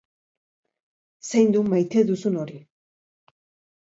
Zaindu Maite duzun hori